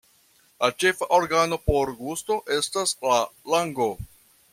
La ĉefa organo por gusto estas la lango.